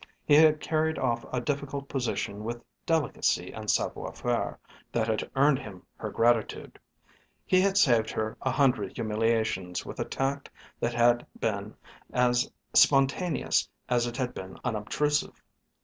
He had carried off a difficult position with a delicacy and savoir faire that had earned him her gratitude. He had saved her a hundred humiliations with a tact that had been as spontaneous as it had been unobtrusive.